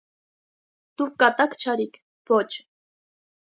Դուք կատակ չարիք, ո՛չ: